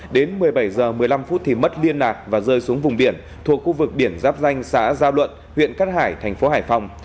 đến một mươi bảy h một mươi năm thì mất liên lạc và rơi xuống vùng biển thuộc khu vực biển giáp danh xã giao luận huyện cát hải thành phố hải phòng